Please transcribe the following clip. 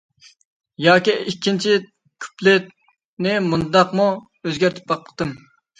ياكى ئىككىنچى كۇپلېتنى مۇنداقمۇ ئۆزگەرتىپ باقتىم.